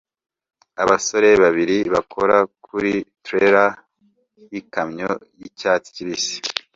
Abasore babiri bakora kuri trailer yikamyo yicyatsi kibisi